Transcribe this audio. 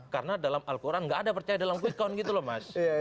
karena dalam al quran nggak ada percaya dalam koecon gitu loh mas